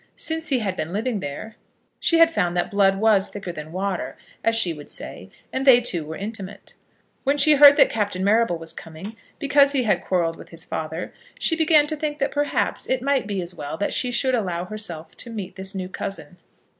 Since he had been living there she had found that blood was thicker than water, as she would say, and they two were intimate. When she heard that Captain Marrable was coming, because he had quarrelled with his father, she began to think that perhaps it might be as well that she should allow herself to meet this new cousin.